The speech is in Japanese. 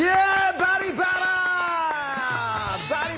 「バリバラ」！